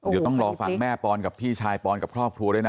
เดี๋ยวต้องรอฟังแม่ปอนกับพี่ชายปอนกับครอบครัวด้วยนะ